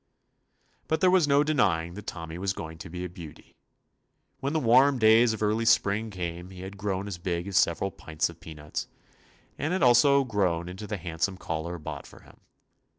But there was no denying that Tommy was going to be a beaut}'. When the warm days of early Spring came he had grown as big as several "pints of peanuts." and had also grown into the handsome collar bought for him.